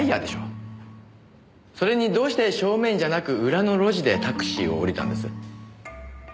それにどうして正面じゃなく裏の路地でタクシーを降りたんです？